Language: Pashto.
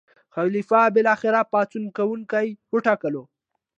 خلیفه بالاخره پاڅون کوونکي وټکول.